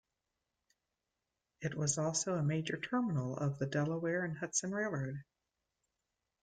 It was also a major terminal of the Delaware and Hudson Railroad.